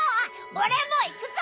俺も行くぞ！